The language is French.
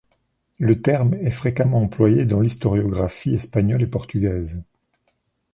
Le terme est fréquemment employé dans l'historiographie espagnole et portugaise.